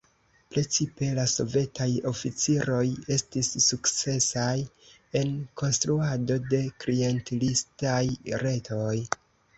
Precipe la sovetaj oficiroj estis sukcesaj en konstruado de klientelistaj retoj.